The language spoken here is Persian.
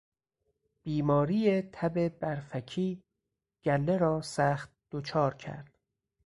بیماری تب برفکی گله راسخت دچار کرد.